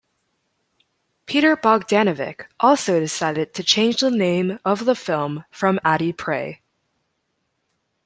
Peter Bogdanovich also decided to change the name of the film from "Addie Pray".